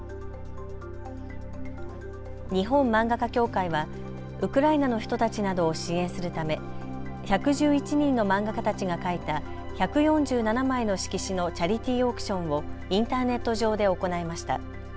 日本漫画家協会はウクライナの人たちなどを支援するため１１１人の漫画家たちが描いた１４７枚の色紙のチャリティーオークションをインターネット上で行いました。